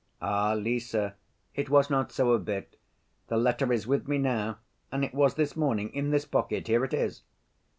"Ah, Lise, it was not so a bit. The letter is with me now, and it was this morning, in this pocket. Here it is."